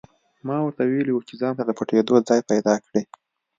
ما ورته ویلي وو چې ځانته د پټېدو ځای پیدا کړي